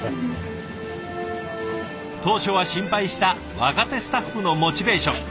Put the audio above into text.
当初は心配した若手スタッフのモチベーション。